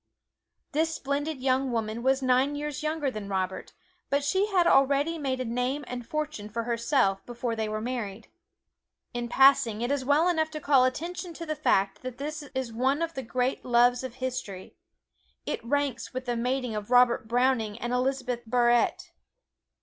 This splendid young woman was nine years younger than Robert, but she had already made a name and fortune for herself before they were married. In passing it is well enough to call attention to the fact that this is one of the great loves of history. It ranks with the mating of Robert Browning and Elizabeth Barrett.